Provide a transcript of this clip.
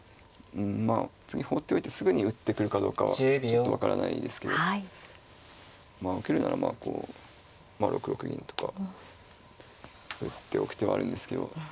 まあ次放っておいてすぐに打ってくるかどうかはちょっと分からないですけどまあ受けるならこう６六銀とか打っておく手はあるんですけど。